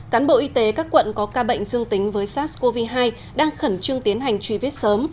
cán bộ y tế các quận có ca bệnh dương tính với sars cov hai đang khẩn trương tiến hành truy vết sớm